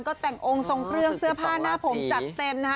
ก็แต่งองค์ทรงเครื่องเสื้อผ้าหน้าผมจัดเต็มนะฮะ